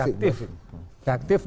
reaktif dengan apa yang dilakukan